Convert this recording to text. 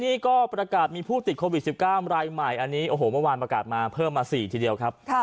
นี่ก็ประกาศมีผู้ติดโควิด๑๙รายใหม่อันนี้โอ้โหเมื่อวานประกาศมาเพิ่มมา๔ทีเดียวครับ